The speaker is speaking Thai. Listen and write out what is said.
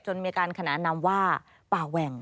มีการขนานนำว่าป่าแหว่ง